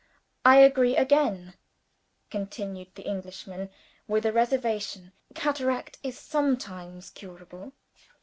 "I agree again," continued the Englishman "with a reservation. Cataract is sometimes curable."